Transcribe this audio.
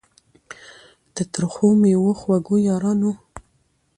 د ترخو میو خوږو یارانو